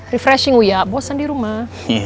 refreshing ya bosan di rumah